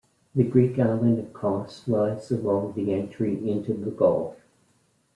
The Greek island of Kos lies along the entry into the Gulf.